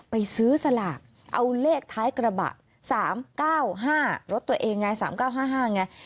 ไปซื้อสลากเอาเลขท้ายกระบะ๓๙๕รถตัวเองไง๓๙๕๕ไง